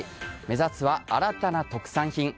目指すは新たな特産品。